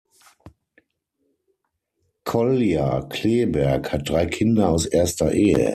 Kolja Kleeberg hat drei Kinder aus erster Ehe.